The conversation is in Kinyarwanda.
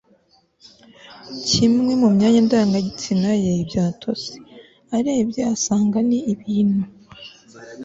kimwe n'imyanya ndangagitsina ye byatose. arebye asanga ni ibintu